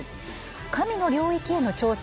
「“神の領域”への挑戦